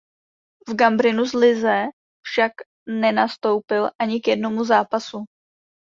V Gambrinus lize však nenastoupil ani k jednomu zápasu.